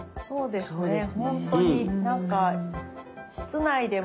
そうですね。